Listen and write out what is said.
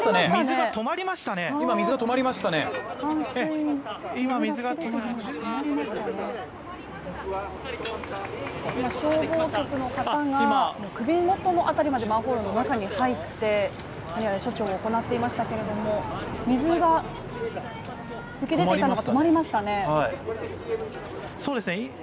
水道局の方が首元の辺りまでマンホールに入って処置を行っていましたけれども、水が噴き出てたのが止まりましたね。